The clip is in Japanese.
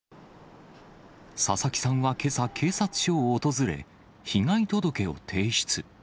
佐々木さんはけさ、警察署を訪れ、被害届を提出。